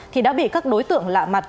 thì đã bị các đối tượng lạ mặt đột nhận